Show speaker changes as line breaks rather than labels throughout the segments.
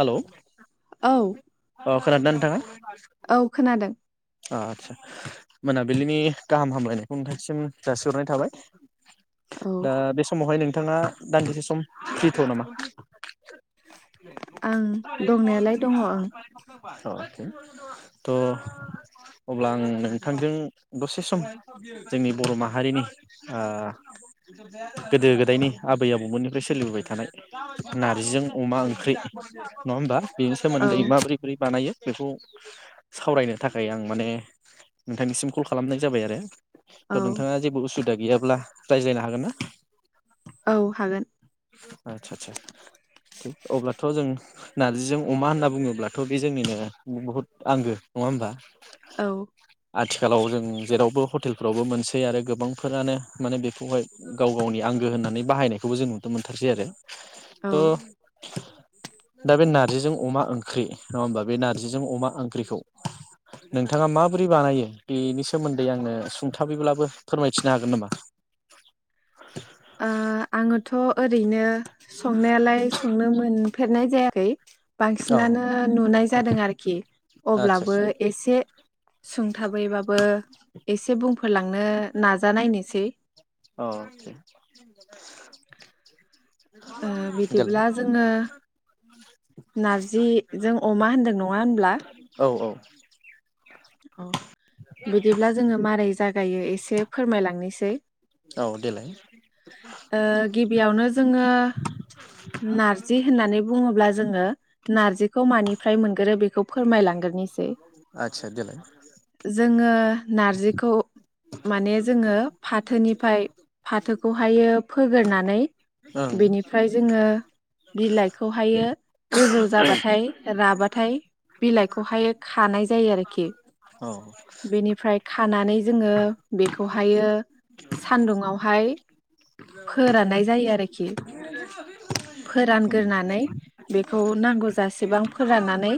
Hello
औ
अ खोनादों नोंथाङा?
औ खोनादों
आसा मोनाबिलिनि गाहाम हामलायनायखौ नोंथांसिम जासिहरनाय थाबाय
औ
दा बे समावहाय नों नोंथाङा दान्दिसे सम फ्रिथ' नामा?
आं दंनायालाय दङ ओं
[unintelligible] थ' अब्ला आं नोंथांजों दसे सम जोंनि बर' माहारिनि ओ गोदो गोदायनि आबै आबौमोननिफ्राय सोलिबोबाय थानाय नारजिजों अमा ओंख्रि नङा होमबा बेनि
औ
सोमोन्दै माबोरै बोरै बानायो बेखौ सावरायनो थाखाय आं माने नोंथांनिसिम कल खालामनाय जाबाय आरो।
औ
थ' नोंथाङा जेबो उसुबिदा गैयाब अब्ला रायज्लायनो हागोन ना?
औ हागोन
आदसा आदसा थिक अब्लाथ' जों नारजिजों अमा होनना बुङोब्लाथ' बे जोंनिनो बहुद आंगो नङा होमबा
औ
आथिखालाव जों जेरावबो हटेलफ्रावबो मोनसै आरो गोबांफोरानो माने बेखौहाय गाव गावनि आंगो होननानै बाहायनायखौबो जों नुनो मोनथारसै आरो
ओ
त' दा बे नारजिजों अमा ओंख्रि नङा होमबा बे नारजिजों अमा ओंख्रिखौ नोंथाङा माबोरै बानायो बेनि सोमोन्दै आंनो सुंथाबैब्लाबो फोरमायथिनो हागोन नामा?
ओ आङोथ' ओरैनो संनायालाय संनोमोन फेरनाय जायाखै।
औ
बांसिनानो नुनाय जादों आरोखि अब्लाबो
आदसा
एसे, सुंथाबैबाबो, एसे बुंफोरलांनो नाजानायनिसै।
आदसा औ [inaudible]
ओ
देलाय
बिदिब्ला जोङो नारजि जों अमा होनदों नङा होनब्ला,
औ औ
अ बिदिब्ला जोङो मारै जागायो एसे फोरमायलांनिसै।
औ देलाय
ओ गिबियावनो जोङो नारजि होननानै बुङोब्ला जोङो नारजिखौ मानिफ्राय मोनगोरो बेखौ फोरमायलांगोरनिसै,
आदसा देलाय,
ओ नारजिखौ माने जोङो फाथोनिफ्राय फाथो खौ हायो फोगोरननानै,
ओं
बेनिफ्राय जोङो बिलाइखौ हायो। गोजौ जाबाथाय राबा थाय बिलाइखौहाय खानाय जायो आरोखि,
औ
बेनिफ्राय खानानै जोङो बेखौहायो सान्दुंआवहाय, फोराननाय जायो आरोखि फोरानगोरनानै बेखौ नांगौ जासेबां फोराननानै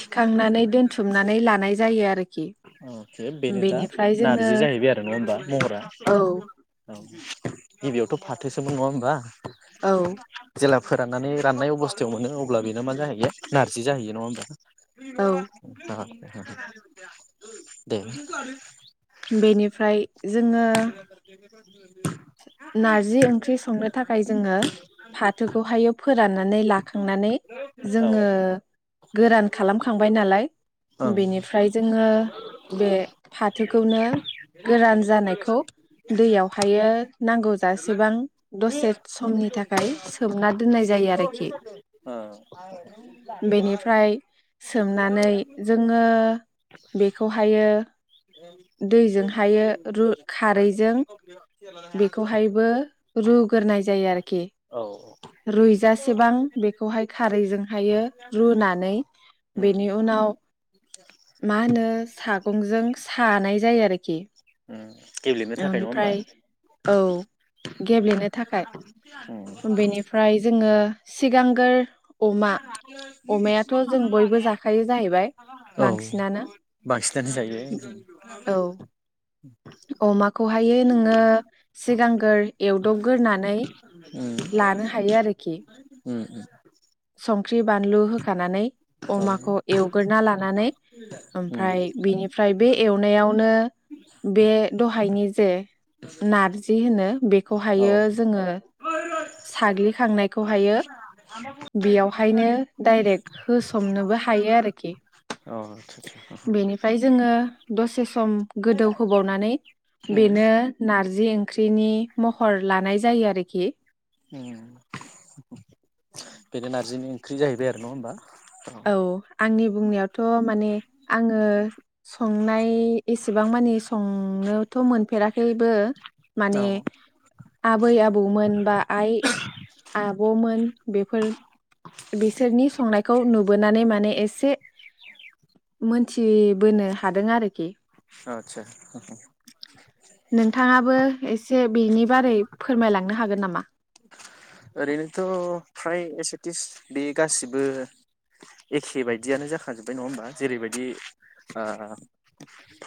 थिखांनानै दोनथुमनानै लानाय जायो आरोखि,
[unintelligible] बेनो दा
बेनिफ्राय जोङो
नारजि जाहैबाय आरो नङा होमबा महरा,
औ
औ
[inaudible]
गिबियावथ' फाथोसोमोन नङा होमबा,
औ
जेला फोराननानै राननाय अबस्थायाव मोनो अब्ला बेनो मा जाहैयो नारजि जाहैयो नङा होमबा,
औ
[unintelligible] [inaudible] दे
बेनिफ्राय जोङो
[unintelligible]
नारजि ओंख्रि संनो थाखाय जोङो फाथोखौहाय फोरान्नानै लाखांनानै जोङो गोरान खालाम खांबाय नालाय, बेनिफ्राय जोङो बे फाथोखौनो गोरान जानायखौ दैआव हायो नांगौ जासेबां दसे समनि थाखाय सोमना दोननाय जायो आरोखि
औ ओं ओ
बेनिफ्राय सोमनानै जोङो बेखौहायो दैजोंहायो रु खारैजों बेखौहायबो रुग्रोनाय जायो आरखि
औ
रुइजासेबां बेखौहाय खारैजोंहायो रुनानै
उम
बेनि उनाव मा होनो सागंजों सानाय जायो आरखि।
उम गेब्लेनो थाखाय नङा होमबा।
औ गेब्लेनो थाखाय
उम
बेनिफ्राय जोङो सिगांग्रो अमा अमाया
[unintelligible] औ
बांसिनानो
बांसिनानो जायो।
औ अमाखौहायो नोङो सिगांग्रो एवदबग्रोनानै
उम
लानो हायो आरोखि
उम
संख्रि बानलु होखानानै
औ
अमाखौ एवग्रोना लानानै
उम
ओमफ्राय बेनिफ्राय बे एवनायावनो बे दहायनि जे नारजि होनो
औ
बेखौहायो जोङो साग्लिखांनायखौहायो बेयावहायनो डाइरेक्ट होसोमनोबो हायो आरोखि
अ आतसा आतसा
बेनिफ्राय जोङो दसे सम गोदौ होबावनानै बेनो नारजि ओंख्रिनि महर लानाय जायो आरोखि।
उम बेदि नारजिनि ओंख्रि जाहैबाय आरो। नङा होमबा।
औ आंनि बुंनायावथ माने आङो संनाय एसेबां मानि संनोथ मोनफेराखैबो
औ
माने आबै आबौमोन बा आइ आब मोन बेफोर बिसोरनि संनाय खौ नु बोनानै माने एसे मोनथिबोनो हादों आरोखि।
आच्छा।
नोंथाङाबो एसे बिनि बारै फोरमायलांनो हागोन नामा?
ओरैनोथ फ्राय एसेटिस बे गासिबो एखे बायदियानो जाखाजोब्बाय नङा होमबा जेरैबायदि ओ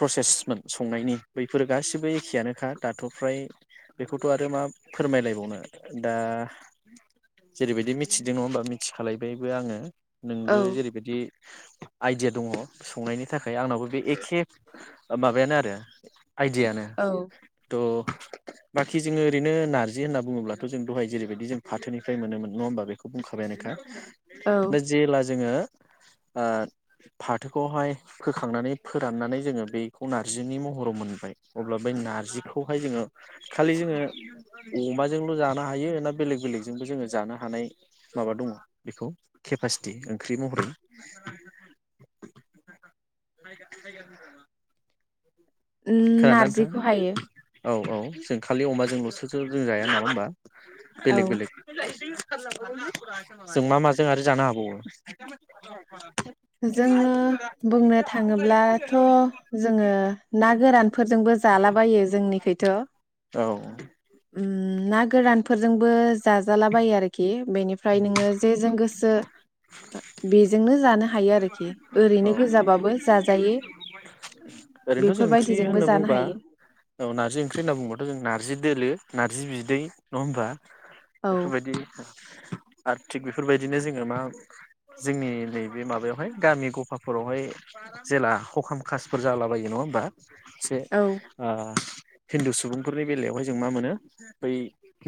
प्रसेसमोन संनायनि बैफोर गासिबो एखेयानोखा दाथ फ्राय बेखौथ आरो मा फोरमायलायबावनो। दा जेरैबायदि मिथिदों नङा होमबा मिथिखलायबायबो आङो। नोंबो
औ
जेरैबायदि आइडिया दङ संनायनि थाखाय आंनावो बे एखे [unintelligible] माबायानो आरो [inaudible] आइडिया नो
औ
त बाखि जोङो ओरैनो नारजि होनना बुङोब्ला जों दहाय जेरैबायदि जों फाथोनिफ्राय मोनोमोन नङा होमबा बेखौ बुंखाबायानोखा। दा जेला जोङो ओ फाथोखौहाय फोखांनानै फोराननानै जोङो बेखौ नार्जिनि महराव मोनबाय अब्ला बै नार्जि खौहाय जोङो खालि जोङो अमाजोंल जा हायो ना बेलेग बेलेगजोंबो जोङो जानो हानाय माबा दङ बेखौ केपासिटि ओंख्रि महरै
उम
खोनादोंना
नारजिखौ
नोंथां
हायो।
औ औ जों खालि अमाजोंल सो जों जाया नामा होमबा?
औ
बेलेग- बेलेग। जों मा माजों आरो जानो हाबावो?
जोङो बुंनो थाङोब्लाथ' जोङो ना गोरान फोरजोंबो जालाबायो जोंनिखैथ'। ओम ना गोरानफोरजोंबो जाजालाबायो आरोखि आरोखि
औ
बेनिफ्राय नोंङो जेजों गोसो बेजोंनो जानो आरोखि
औ
ओरैनो गोजाबाबो जाजायो
ओरैनोथ' जों ओंख्रि
बेफोरबायदिजोंबो
होनना
जानो
बुंबा
हायो
औ नारजि ओंख्रि होनना बुंङोब्लाथ' जों नारजि दोलो नारजि बिदै नङा होमबा?
औ
बेफोरबायदि आरो थिग बेफोरबायदिनो जोङो मा जोंनि नैबे माबायावहाय गामि गफाफोरावहाय जेला हखाम खासफोर जालाबायो नङा होमबा? से
औ
ओ हिन्दु सुबुंफोरनि बेलायावहाय जों मा मोनो बै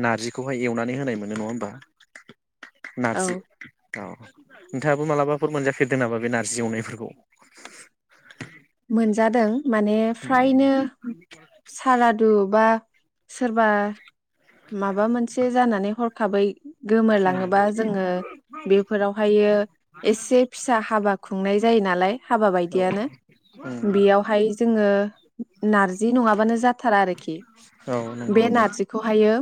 नार्जिखौहाय एवनानै होनाय मोनो नङा होमबा?
औ
नारजि। औ नोंथाङाबो मालाबाफोर मोनजाफेरदों नामा बे नारजि एवनायफोरखौ?
मोनजादों माने फ्रायनो सारादु बा सोरबा माबा मोनसे जानानै हर खाबै [inaudible] गोमोरलाङोबा जोङो बेफोरावहायो एसे फिसा हाबा खुंनाय जायो नालाय हाबा बायदियानो बेयावहाय जोंङो नारजि नङाबानो जाथारा आरोखि।
औ नंगौ नंगौ।
बेयो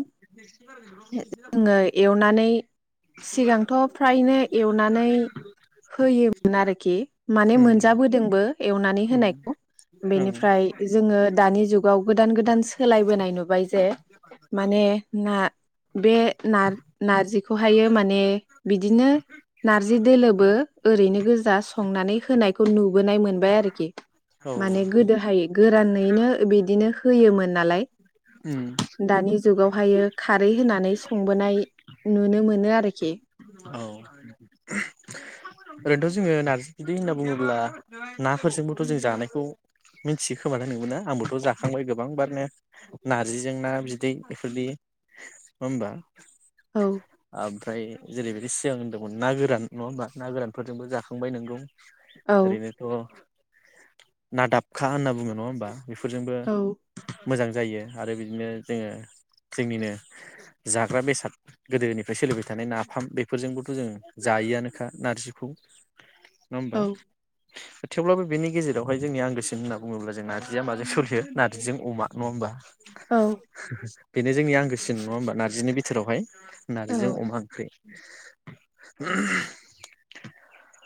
एवनानै सिगांथ' फ्रायनो एवनानै होयोमोन आरोखि
[inaudible]
माने मोनजाबोदोंबो एवनानै
उम
होनायखौ
ओं
बेनिफ्राय जोंङो दानि जुगाव गोदान गोदान सोलायबोनाय नुबाय जे माने ना बे ना नार्जिखौहायो माने बिदिनो नारजि दोलोबो ओरैनो गोजा संनानै होनायखौ नुबोनाय मोनबाय आरोखि।
औ
माने गोदोहाय गोरानैनो बिदिनो होयोमोन नालाय
उम
दानि जुगावहायो खारै होनानै संबोनाय नुनो मोनो आरोखि।
औ ओरैनोथ' जोङो नार्जि बिदै होनना बुङोब्ला नाफोरजोंबोथ' जों जानायखौ मिथियो खोमानो नोंबो आंबोथ' जाखांबाय गोबांबारान नार्जिजों ना बिदै बेफोरदि ओमबा।
औ।
ओमफ्राय जेरैबायदि सिगां होनदोंमोन ना गोरान नङा होमबा ना गोरानफोरजोंबो जाखांबाय नोंगौ।
औ
ओरैनोथ' नादाबखा होनना बुङो नङा होमबा? बेफोरजोंबो
औ
मोजां जायो आरो बिदिनो जोङो जोंनिनो जाग्रा बेसाद गोदोनिफ्राय सोलिबाय थानाय नाफाम बेफोरजोंबोथ' जों जायोआनोखा नारजिखौ नङा होमबा?
औ
थेवब्लाबो बेनि गेजेरावहाय जोंनि आंगोसिन होनना बुङोब्ला जों नारजिया माजों सोलियो नारजिजों अमा नङा होमबा?
औ
बेनो जोंनि आंगोसिन नङा होमबा नार्जिनि बिथोरावहाय?
औ
नारजिजों अमा ओंख्रि। [unintelligible]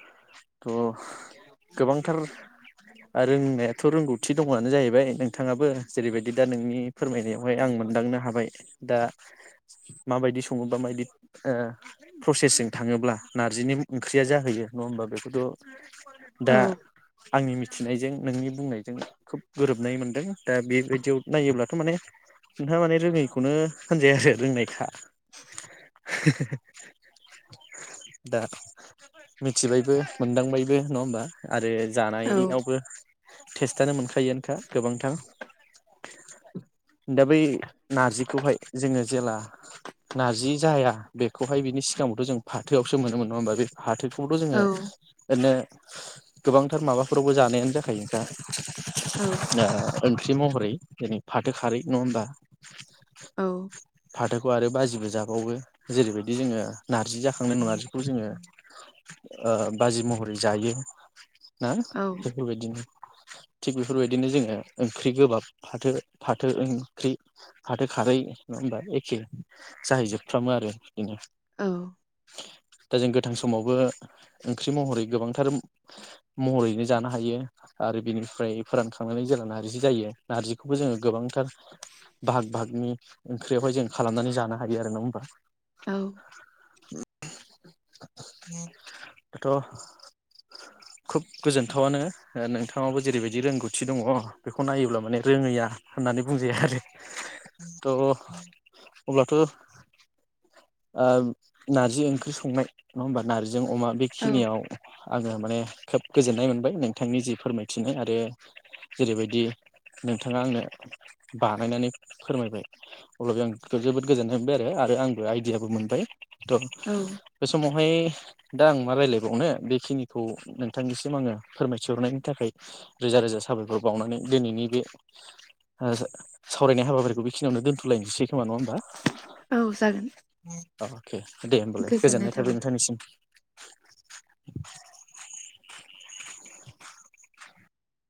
थ' गोबांथार रोंनायाथ' रोंगौथि दङयानो जाहैबाय नोंथाङाबो जेरैबायदि दा नोंनि फोरमायनायावहाय आं मोनदांनो हाबाय दा माबायदि सङोबा माबायदि ओ प्रसेसजों थाङोब्ला नार्जिनि ओंख्रिया जाहैयो नङा होमबा बेखौ थ' दा
औ
आंनि मिथिनायजों नोंनि बुंनायजों खोब गोरोबनाय मोनदों दा बेबायदियाव नायोब्लाथ' माने नोंहा माने रोङैखौनो होनजाया आरो रोंनायखा।
[unintelligible]
दा मिथिबायबो मोनदांबायबो नङा होमबा आरो जानायनियावबो टेस्टयानो मोनखायो आनोखा गोबांथार। दा बै नारजिखौहाय जोङो जेला नारजि जाया बेखौहाय बिनि सिगाङावथ' जों फाथोयावसो मोनोमोन नङा होमबा बे फाथो खौथ' जोङो
औ
बिदिनो गोबांथार माबाफोरावबो जानायानो जाखायो आनोखा।
औ
ओ ओं ख्रि महरै जेरै फाथो खारै नङा होमबा?
औ।
खौ आरो बाजिबो जाबावो जेरैबायदि जोङो नारजि जाखांनाय नारजिखौ जोङो ओ बाजि महरै जायो ना बेफोरबायदिनो? थिग बेफोरबायदिनो जोङो ओंख्रि गोबाब फाथो फाथो ओंख्रि फाथो खारै नङा होनबा एखे जाहैजोबफ्रामो आरो बिदिनो।
औ।
दा जों गोथां समावबो ओंख्रि महरै गोबांथार महरैनो जानो हायो आरो बिनिफ्राय फोरानखांनानै जेला नार्जि जायो नार्जिखौबो जोङो गोबांथार भाहाग भाहागनि ओंख्रियावहाय जों खालामनानै जानो हायो आरो नङा होमबा।
औ।
[unintelligible] दाथ' खोब गोजोनथावानो ओ नोंथाङाबो जेरैबायदि रोंगौथि दङ बेखौ नायोब्ला माने रोङैया होननानै बुंजाया आरो थ' अब्लाथ' ओम नार्जि ओंख्रि संनाय नङा होमबा नारजिजों अमा
औ
बेखिनियाव आङो माने खोब गोजोननाय मोनबाय नोंथांनि जि फोरमायथिनाय आरो जेरैबायदि नोंथाङा आंनो बानायनानै फोरमायबाय अब्लाबो आं जोबोद गोजोननाय मोनबाय आरो आंबो आइ मोनबाय थ'
औ
बे समावहाय दा आं मा रायलायबावनो बेखिनिखौ नोंथांनिसिम आङो फोरमायथिहरनायनि थाखाय रोजा रोजा साबायखर बावनानै दिनैनि बे सावरायनाय हाबाफारिखौ बेखिनियावनो दोनथ'लायनोसै। खोमा नंङा होमबा।
औ जागोन
[unintelligible] के दे गोजोननाय थाबाय नोंथांनिसिम। [inaudible]